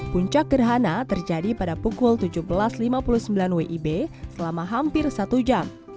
puncak gerhana terjadi pada pukul tujuh belas lima puluh sembilan wib selama hampir satu jam